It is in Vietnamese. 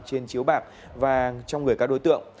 trên chiếu bạc và trong người các đối tượng